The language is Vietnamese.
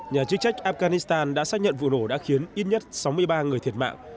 nhà chức trách afghanistan đã xác nhận vụ nổ đã khiến ít nhất sáu mươi ba người thiệt mạng